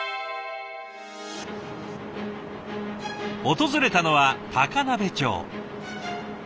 訪れたのは高鍋町。